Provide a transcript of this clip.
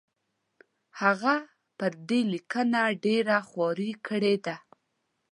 هغه پر دې لیکنه ډېره خواري کړې ده.